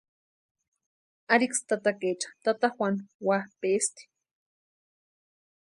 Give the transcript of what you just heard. Ariksï tatakaecha tata Juanu wapʼaesti.